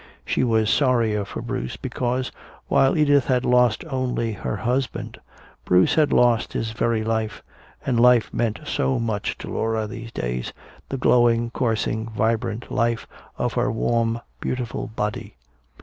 She was sorrier for Bruce because, while Edith had lost only her husband, Bruce had lost his very life. And life meant so much to Laura, these days, the glowing, coursing, vibrant life of her warm beautiful body.